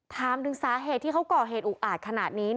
ถามถึงสาเหตุที่เขาก่อเหตุอุกอาจขนาดนี้